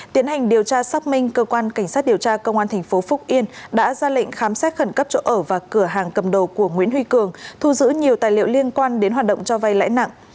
tiến hành điều tra xác minh cơ quan cảnh sát điều tra công an tp phúc yên đã ra lệnh khám xét khẩn cấp chỗ ở và cửa hàng cầm đồ của nguyễn huy cường thu giữ nhiều tài liệu liên quan đến hoạt động cho vay lãi nặng